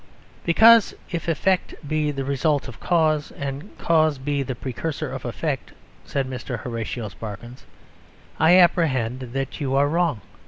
"Because if Effect be the result of Cause and Cause be the Precursor of Effect," said Mr. Horatio Sparkins, "I apprehend that you are wrong."